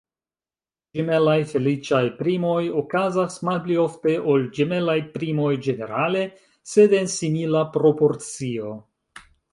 Ĝemelaj feliĉaj primoj okazas malpli ofte ol ĝemelaj primoj ĝenerale, sed en simila proporcio.